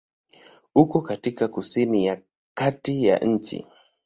Uko katika kusini ya kati ya nchi.